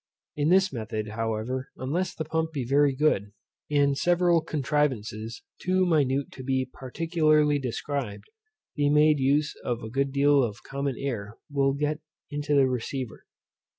In this method, however, unless the pump be very good, and several contrivances, too minute to be particularly described, be made use of a good deal of common air will get into the receiver.